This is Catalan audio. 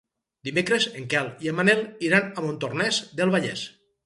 Dimecres en Quel i en Manel iran a Montornès del Vallès.